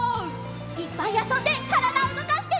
いっぱいあそんでからだをうごかしてね！